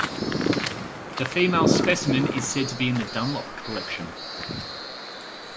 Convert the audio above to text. The female specimen is said to be in the Dunlop Collection.